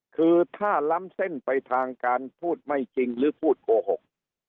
คือถ้าล้ำเส้นไปทางการพูดไม่จริงหรือพูดโกหก